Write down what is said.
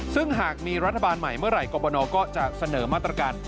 ซึ่งหากมีรัฐบาลใหม่เมื่อไหร่กรบนก็จะเสนอมาตรการ